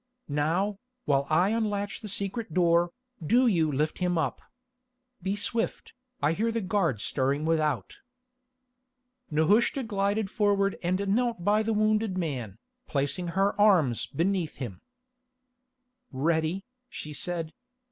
Now, while I unlatch the secret door, do you lift him up. Be swift, I hear the guard stirring without." Nehushta glided forward and knelt by the wounded man, placing her arms beneath him. "Ready," she said.